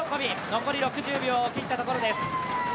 残り６０秒を切ったところです。